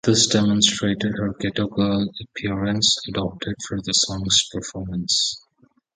This demonstrated her ghetto-girl appearance adopted for the song's performance.